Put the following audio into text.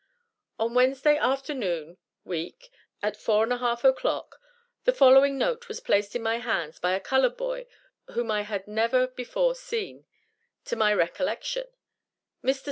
On Wednesday afternoon, week, at 4 1/2 o'clock, the following note was placed in my hands by a colored boy whom I had never before seen, to my recollection: "MR.